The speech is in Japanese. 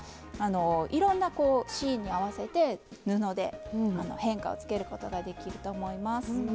いろんなシーンに合わせて布で変化をつけることができると思います。